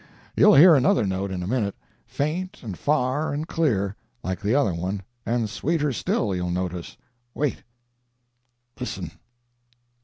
You'll hear another note in a minute—faint and far and clear, like the other one, and sweeter still, you'll notice. Wait ... listen.